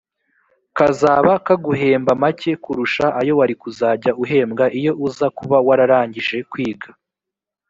kazaba kaguhemba make kurusha ayo wari kuzajya uhembwa iyo uza kuba wararangije kwiga